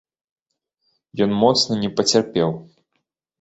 Ён моцна не пацярпеў.